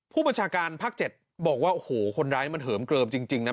ผู้บัญชาการภาค๗บอกว่าโอ้โหคนร้ายมันเหิมเกลิมจริงนะ